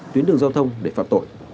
tuyến đường giao thông để phạt tội